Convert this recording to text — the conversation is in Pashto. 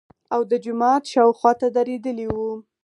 او د جومات شاوخواته درېدلي وو.